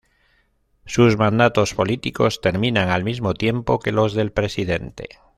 Sus mandatos políticos terminan al mismo tiempo que los del Presidente.